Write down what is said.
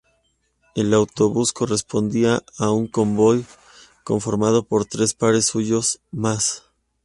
El autobús correspondía a un convoy conformado por tres pares suyos más.